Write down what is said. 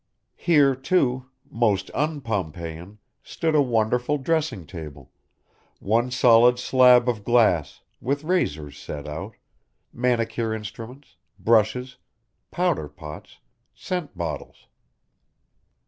Here too, most un Pompeian stood a wonderful dressing table, one solid slab of glass, with razors set out, manicure instruments, brushes, powder pots, scent bottles.